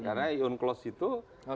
karena ion close itu memang